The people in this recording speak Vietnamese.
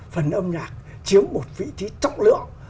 phần âm nhạc chiếm một vị trí trọng lượng